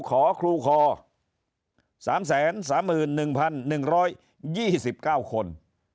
ขอครูคอสามแสนสามหมื่นหนึ่งพันหนึ่งร้อยยี่สิบเก้าคน